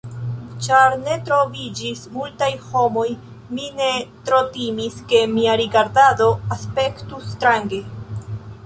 Ĉar ne troviĝis multaj homoj, mi ne tro timis ke mia rigardado aspektus strange.